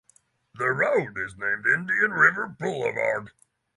The road is named Indian River Boulevard.